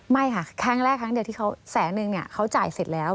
ไม่ค่ะแค่แรกครั้งเดียวที่แสนนึงเขาจ่ายเสร็จแล้ว